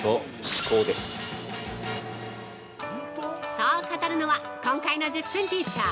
◆そう語るのは今回の１０分ティーチャー。